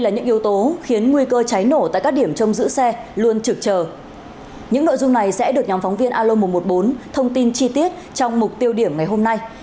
những nội dung này sẽ được nhóm phóng viên alo một trăm một mươi bốn thông tin chi tiết trong mục tiêu điểm ngày hôm nay